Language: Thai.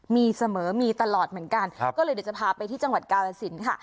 มีเสมอมีตลอดเหมือนกันก็เลยเดี๋ยวจะพาไปที่จังหวัดกาลสินค่ะ